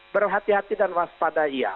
berhati hati dan waspada